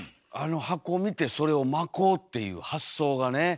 あの箱を見てそれを巻こうっていう発想がね。